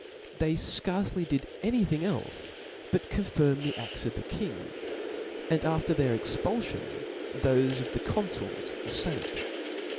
They fcarce did any thing clfc but confirm the a6ts of the. kings, and after their ex pulfion, thofe of the confuls or fenate.